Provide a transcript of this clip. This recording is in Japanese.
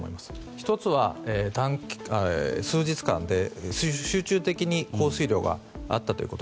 １つは、数日間で集中的に降水量が上がったということ。